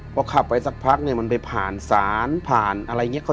พอขับไปสักพักเนี่ยมันไปผ่านศาลผ่านอะไรอย่างนี้